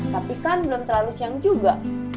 tapi kan belum terlalu siang juga